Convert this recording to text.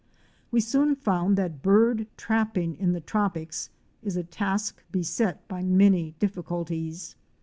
We soon found that bird trapping in the tropics is a task beset by many difficulties.